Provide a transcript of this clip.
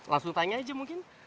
langsung tanya aja mungkin